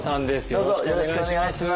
よろしくお願いします。